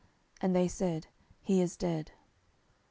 And they said, He is dead.